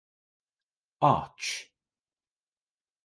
Arch.